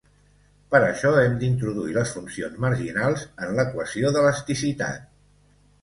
Per això hem d'introduir les funcions marginals en l'equació d'elasticitat.